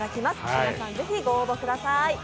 皆さん、ぜひご応募ください。